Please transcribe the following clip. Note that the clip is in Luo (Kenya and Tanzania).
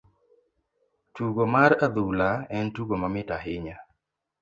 Tugo mar adhula en tugo mamit ahinya.